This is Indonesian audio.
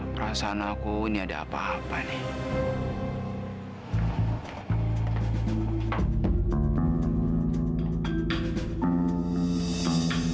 perasaan aku ini ada apa apa nih